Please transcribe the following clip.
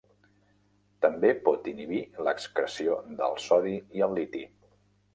També pot inhibir l'excreció del sodi i el liti.